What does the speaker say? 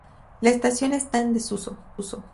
La estación está en desuso.